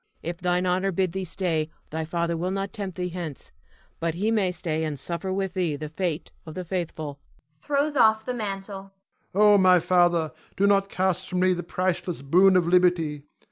Cleon. If thine honor bid thee stay, thy father will not tempt thee hence; but he may stay and suffer with thee the fate of the faithful [throws off the mantle]. Ion. Oh, my father, do not cast from thee the priceless boon of liberty.